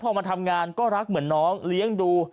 พอมาทำงานก็รักเหมือนน้องเลี้ยงดู